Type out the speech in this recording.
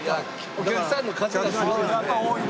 お客さんの数がすごいですね。